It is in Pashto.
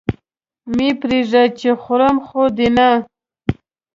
مه پرېږده! څه خورم خو دې نه؟